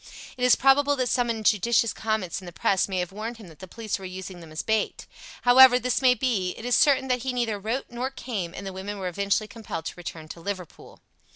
It is probable that some injudicious comments in the Press may have warned him that the police were using them as a bait. However, this may be, it is certain that he neither wrote nor came, and the women were eventually compelled to return to Liverpool.